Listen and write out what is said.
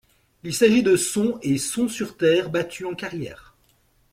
Il s'agit de son et son sur terre battue en carrière.